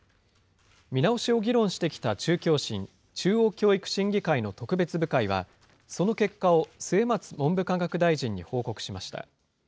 見直しを議論してきた中教審・中央教育審議会の特別部会は、その結果を末松文部科学大臣に報告しました。